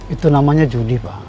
itu namanya judi pak